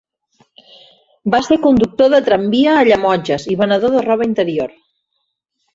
Va ser conductor de tramvia a Llemotges i venedor de roba interior.